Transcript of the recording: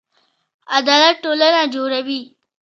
عدالت ټولنه جوړوي